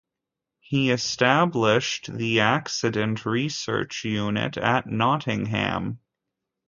He established the Accident Research Unit at Nottingham.